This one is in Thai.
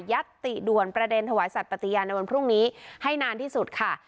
ัตติด่วนประเด็นถวายสัตว์ปฏิญาณในวันพรุ่งนี้ให้นานที่สุดค่ะ